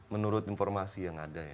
menurut informasi yang ada ya